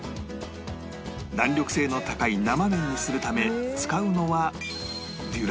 弾力性の高い生麺にするため使うのは